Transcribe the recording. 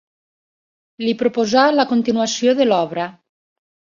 Li proposà la continuació de l'obra.